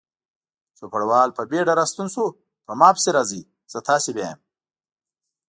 چوپړوال په بیړه راستون شو: په ما پسې راځئ، زه تاسې بیایم.